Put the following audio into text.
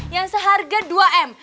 yang seharga dua m